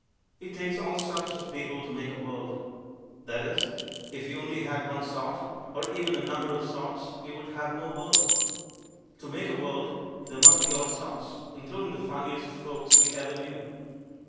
"It takes all sorts of people to make a world." That is, if we only had one sort or even a number of sorts we would have no world. To make a world there must be all sorts, including the funniest folks we ever knew.